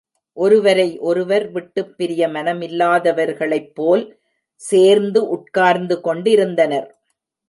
ஒருவரை ஒருவர் விட்டுப் பிரிய மனமில்லாதவர்களைப் போல் சேர்ந்து உட்கார்ந்து கொண்டிருந்தனர்.